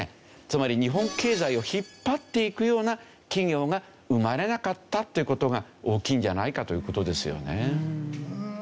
つまり日本経済を引っ張っていくような企業が生まれなかったという事が大きいんじゃないかという事ですよね。